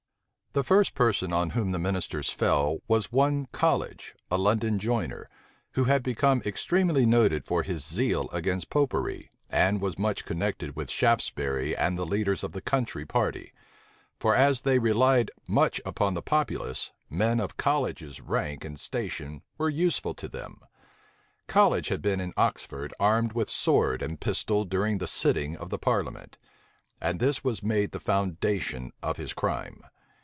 The first person on whom the ministers fell was one College, a London joiner, who had become extremely noted for his zeal against Popery, and was much connected with Shaftesbury and the leaders of the country party: for as they relied much upon the populace, men of College's rank and station were useful to them. College had been in Oxford armed with sword and pistol during the sitting of the parliament; and this was made the foundation of his crime.